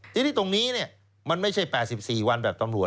ทีนี้ตรงนี้มันไม่ใช่๘๔วันแบบตำรวจ